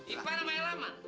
ipar sama elaman